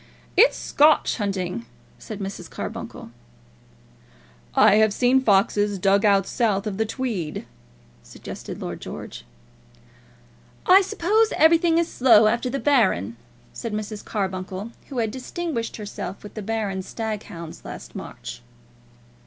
"It's Scotch hunting," said Mrs. Carbuncle. "I have seen foxes dug out south of the Tweed," suggested Lord George. "I suppose everything is slow after the Baron," said Mrs. Carbuncle, who had distinguished herself with the Baron's stag hounds last March.